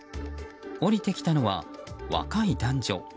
降りてきたのは、若い男女。